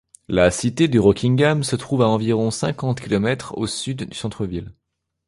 La Cité de Rockingham se trouve à environ cinquante kilomètres au sud du centre-ville.